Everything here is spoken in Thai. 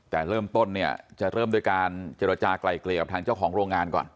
แต่เริ่มต้นเนี่ยจะเริ่มด้วยการเจรจากลายเกลี่ยกับทางเจ้าของโรงงานก่อน